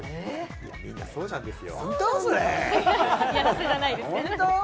みんな、そうなんですよ。